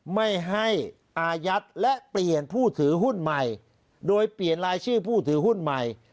ไม่ให้อายัดและเปลี่ยนผู้ถือหุ้นใหม่โดยเปลี่ยนรายชื่อผู้ถือหุ้นใหม่